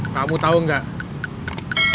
kamu tahu nggak